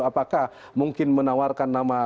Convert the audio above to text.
apakah mungkin menawarkan nama